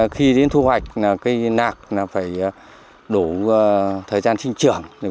khi đến thu hoạch cây nạc phải đủ thời gian sinh trưởng